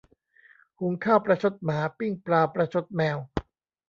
หุงข้าวประชดหมา ปิ้งปลาประชดแมว